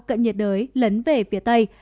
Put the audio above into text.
cận nhiệt đới lấn về phía tây